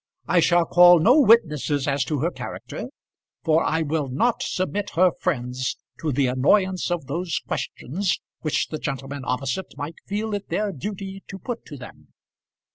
I shall call no witnesses as to her character, for I will not submit her friends to the annoyance of those questions which the gentlemen opposite might feel it their duty to put to them.